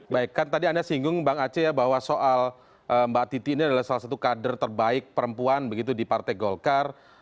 baik kan tadi anda singgung bang aceh ya bahwa soal mbak titi ini adalah salah satu kader terbaik perempuan begitu di partai golkar